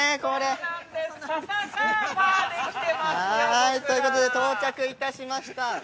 ◆そうなんです、◆ということで、到着いたしました。